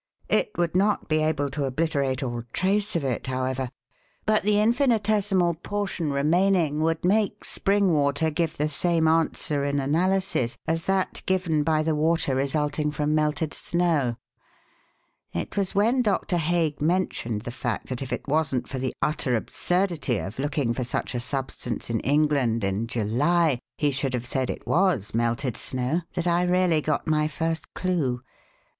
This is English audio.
It would not be able to obliterate all trace of it, however, but the infinitesimal portion remaining would make spring water give the same answer in analysis as that given by the water resulting from melted snow. It was when Doctor Hague mentioned the fact that if it wasn't for the utter absurdity of looking for such a substance in England in July, he should have said it was melted snow, that I really got my first clue.